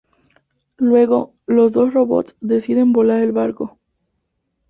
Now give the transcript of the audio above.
Luego, los dos robots deciden volar el barco.